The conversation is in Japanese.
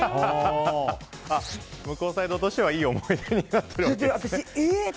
向こうサイドとしてはいい思い出になっていると。